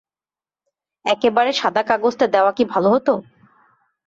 একেবারে সাদা কাগজটা দেয়া কি ভালো হত?